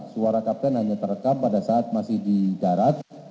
suara kapten hanya terekam pada saat masih di darat